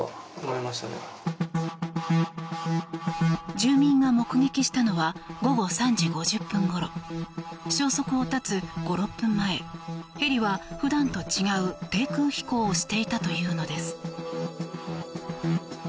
住民が目撃したのは午後３時５０分ごろ消息を絶つ５６分前ヘリは普段とは違う低空飛行をしていたというのです。